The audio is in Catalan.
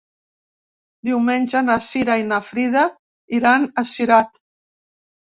Diumenge na Cira i na Frida iran a Cirat.